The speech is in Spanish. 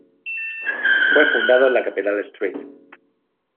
Fue fundado en la capital St.